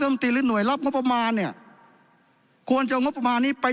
ตีหรือหน่วยรับงบประมาณเนี่ยควรจะเอางบประมาณนี้ไป